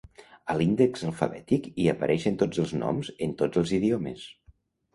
A l'índex alfabètic hi apareixen tots els noms en tots els idiomes.